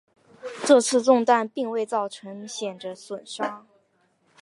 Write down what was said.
这次中弹并未造成显着损伤。